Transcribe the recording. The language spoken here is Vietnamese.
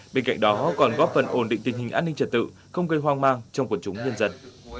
bên cạnh đó còn góp phần ổn định tình hình an ninh trật tự không gây hoang mang trong quần chúng nhân dân